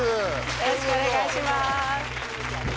よろしくお願いします